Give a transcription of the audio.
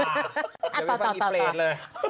เดี๋ยวไปฟังอีกเพลกเลย